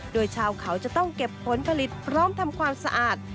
โดยชาวเขาจะต้องเก็บผลผลิตพร้อมทำความสะอาด